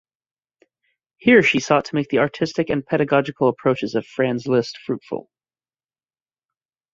Here she sought to make the artistic and pedagogical approaches of Franz Liszt fruitful.